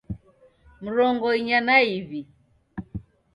Mrongo inya na iw'i